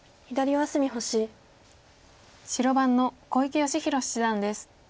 白番の小池芳弘七段です。